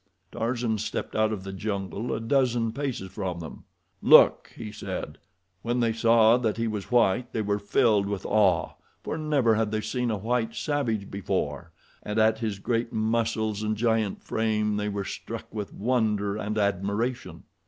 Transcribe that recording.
Tarzan stepped out of the jungle a dozen paces from them. "Look!" he said. When they saw that he was white they were filled with awe, for never had they seen a white savage before, and at his great muscles and giant frame they were struck with wonder and admiration.